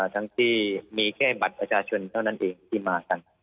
ที่มีแค่บัตรประชาชนเท่านั้นเองที่มากัน